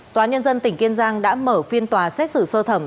tòa nhân dân tỉnh kiên giang đã mở phiên tòa xét xử sơ thẩm